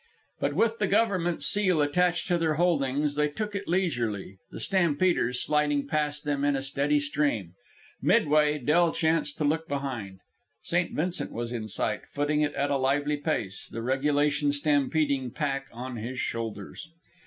But with the government seal attached to their holdings, they took it leisurely, the stampeders sliding past them in a steady stream. Midway, Del chanced to look behind. St. Vincent was in sight, footing it at a lively pace, the regulation stampeding pack on his shoulders.